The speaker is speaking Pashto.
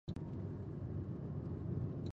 مزارشریف د افغانستان په ستراتیژیک اهمیت کې رول لري.